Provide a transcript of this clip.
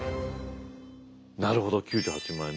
なるほど９８万円。